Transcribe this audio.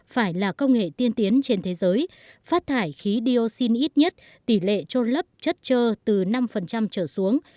phải là công nghệ tiên tiến trên thế giới phát thải khí dioxin ít nhất tỷ lệ trôn lấp chất trơ từ năm trở xuống